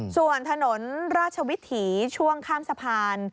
ส่วนถนนราชวิถีช่วงข้ามสะพาน